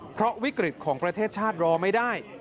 เพราะวิกฤตของประเทศชาติรอไม่ได้